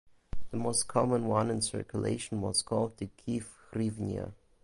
The most common one in circulation was called "the Kyiv hryvnia".